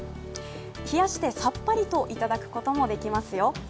冷やしてさっぱりといただくこともできますよ。